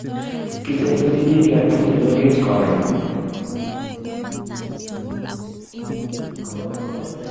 Kiseberchini ketik chemengech karoon